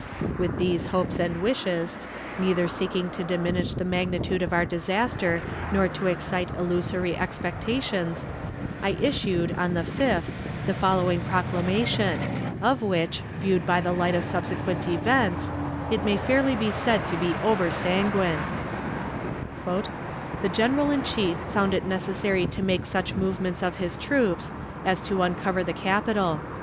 With these hopes and wishes, neither seeking to diminish the magnitude of our disaster nor to excite illusory expectations, I issued, on the 5th, the following proclamation, of which, viewed by the light of subsequent events, it may fairly be said it was over sanguine: "The General in Chief found it necessary to make such movements of his troops as to uncover the capital.